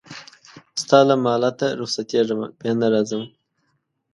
ستا له مالته رخصتېږمه بیا نه راځمه